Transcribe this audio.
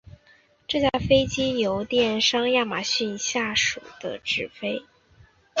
这架飞机由电商亚马逊下属的执飞。